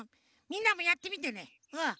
みんなもやってみてねうん。